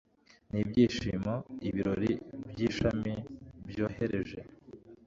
n ibyishimo Ibiro by ishami byohereje